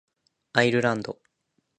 アイルランド